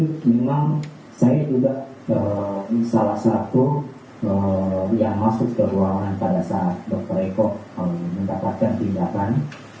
jadi memang saya juga salah satu yang masuk ke ruangan pada saat dekor mendaftarkan tindakan